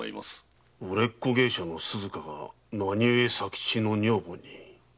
売れっ子芸者の鈴華が何故佐吉の女房に？